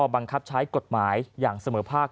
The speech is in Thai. บังคับใช้กฎหมายอย่างเสมอภาค